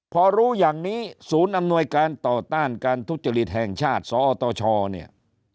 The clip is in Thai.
พอรู้อย่างนี้ศูนย์อำนวยการต่อต้านการทุจริตแห่งชาติสอตชเนี่ย